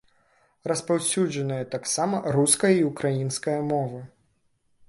Распаўсюджаныя таксама руская і украінская мовы.